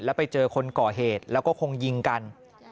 แล้วไปเจอคนก่อเหตุแล้วก็คงยิงกัน